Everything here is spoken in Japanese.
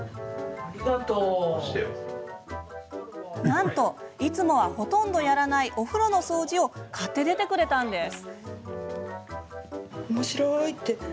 なんと、いつもはほとんどやらないお風呂の掃除を買って出てくれたんです。